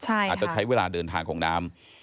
อาจจะใช้เวลาเดินทางของน้ำ